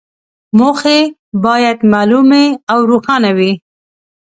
موخې باید معلومې او روښانه وي.